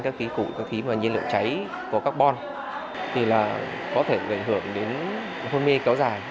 các khí củi các khí nhiên lượng cháy có carbon thì là có thể gây ảnh hưởng đến hôn mê kéo dài